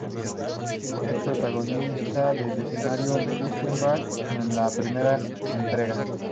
Es protagonista del escenario "Outbreak" en la primera entrega.